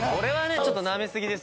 ちょっとなめすぎですよ。